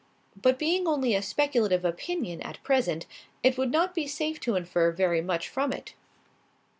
But being only a speculative opinion, at present, it would not be safe to infer very much from it."